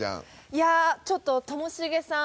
いやあちょっとともしげさん